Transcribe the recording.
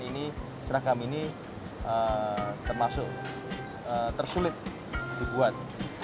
ini seragam ini termasuk tersulit dibuat